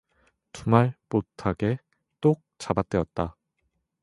두말 못 하게 똑 잡아떼었다.